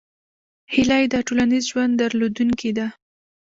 هیلۍ د ټولنیز ژوند درلودونکې ده